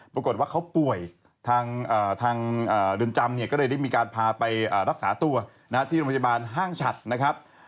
ปรากฏว่าเขาป่วยทางเรือนจำเนี่ยก็เลยได้มีการพาไปรักษาตัวที่โรงพยาบาลห้างฉัดนะครับ